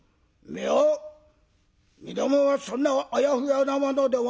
「いや身共はそんなあやふやなものではない。